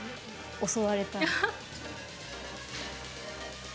襲われたら。